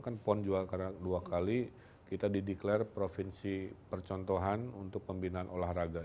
kan pon jual karena dua kali kita di declare provinsi percontohan untuk pembinaan olahraga